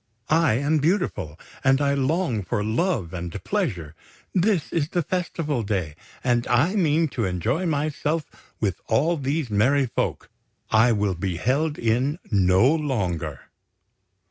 I am beautiful, and I long for love and pleasure! This is a Festival Day, and I mean to enjoy myself with all these merry folk! I will be held in no longer!"